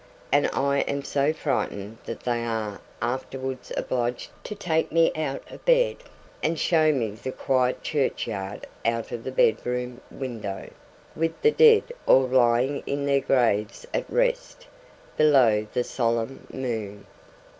And I am so frightened that they are afterwards obliged to take me out of bed, and show me the quiet churchyard out of the bedroom window, with the dead all lying in their graves at rest, below the solemn moon.